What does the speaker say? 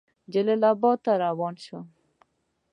جلال آباد ته روان شو.